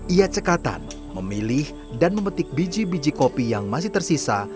ia cekatan memilih dan memetik biji biji kopi yang masih tersisa